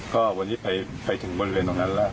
ก็วันนี้ไปถึงบริเวณตรงนั้นแล้ว